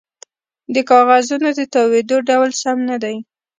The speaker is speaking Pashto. د کاغذونو د تاویدو ډول سم نه دی